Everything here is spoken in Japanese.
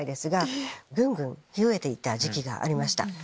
ぐんぐん増えていた時期がありました。